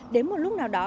đến một lúc nào đó